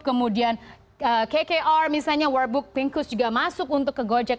kemudian kkr misalnya world book pinkus juga masuk untuk ke gojek